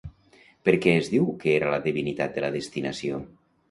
Per què es diu que era la divinitat de la destinació?